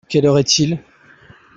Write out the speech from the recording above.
Quelle heure est-il ?